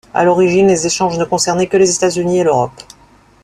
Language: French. À l'origine, les échanges ne concernaient que les États-Unis et l'Europe.